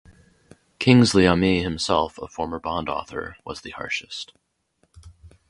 Kingsley Amis, himself a former Bond author, was the harshest.